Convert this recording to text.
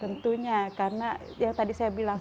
tentunya karena yang tadi saya bilang